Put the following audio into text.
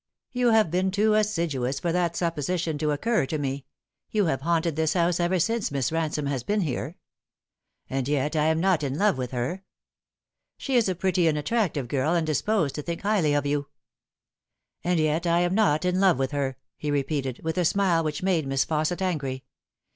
You have been too assiduous for that supposition to occur to me. You have haunted this house ever since Miss Bansome has been here." " And yet I am not in love with her." " She is a pretty and attractive girl, and disposed to think highly of you." " And yet I am not in love with her," he repeated, with a smile which made Miss Fausset angry.